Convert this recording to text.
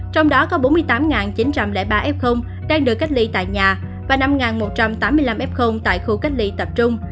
trong đó có bốn mươi tám chín trăm linh ba f đang được cách ly tại nhà và năm một trăm tám mươi năm f tại khu cách ly tập trung